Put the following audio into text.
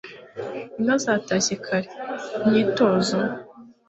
inka zatashye kare.myitozo